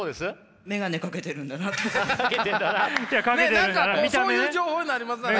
何かそういう情報になりますよね！